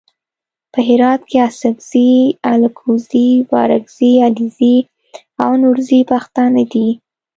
په هرات کې اڅګزي الکوزي بارګزي علیزي او نورزي پښتانه دي.